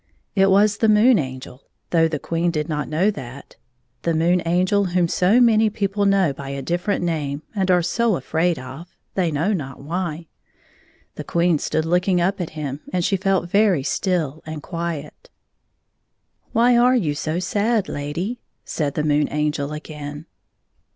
It was the Moon Angel, though the Queen did not know that — the Moon Angel, whom so many people know by a diflferent name and are so afraid of, they know not why. The Queen stood look ^ ing up at him, and she felt very still and quiet 6 .. "Why are you so sad, lady?" said the Moon^ Angel again.